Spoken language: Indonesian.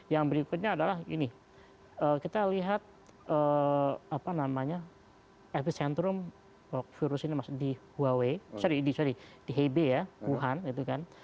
yang berikutnya adalah ini kita lihat apa namanya epicentrum virus ini di huawei sorry di hebei ya wuhan gitu kan